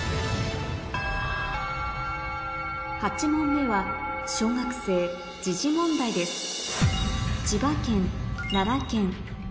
８問目は小学生問題です